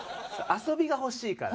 遊びが欲しいから。